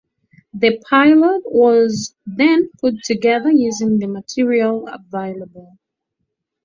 The pilot was then put together using the material available.